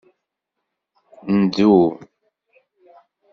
Ndu.